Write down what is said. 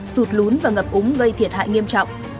sụt lún và ngập úng gây thiệt hại nghiêm trọng